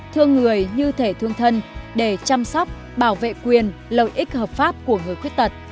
thương người như thể thương thân để chăm sóc bảo vệ quyền lợi ích hợp pháp của người khuyết tật